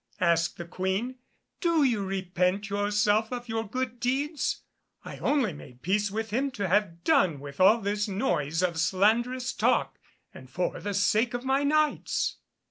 asked the Queen; "do you repent yourself of your good deeds? I only made peace with him to have done with all this noise of slanderous talk, and for the sake of my Knights."